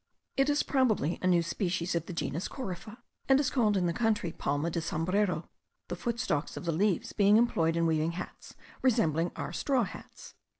It is probably a new species of the genus corypha; and is called in the country palma de sombrero, the footstalks of the leaves being employed in weaving hats resembling our straw hats.